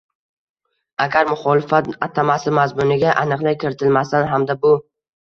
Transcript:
Agar, “muxolifat” atamasi mazmuniga aniqlik kiritilmasdan hamda bu